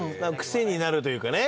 癖になるというかね。